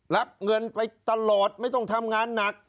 รับเงินไปตลอดไม่ต้องทำงานหนัก